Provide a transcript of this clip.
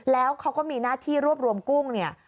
แล้วเขาก็มีหน้าที่รวบรวมกุ้งเนี่ย